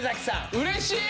うれしい！